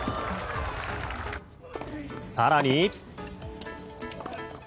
更に。